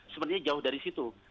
sebenarnya jauh dari situ